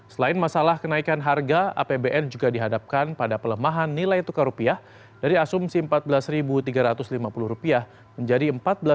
selain masalah kenaikan harga apbn juga dihadapkan pada pelemahan nilai tukar rupiah dari asumsi empat belas tiga ratus lima puluh rupiah menjadi empat belas delapan ratus tujuh puluh lima